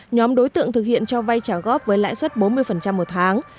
nhóm đối tượng thực hiện cho vay trả góp với lãi suất bốn mươi một tháng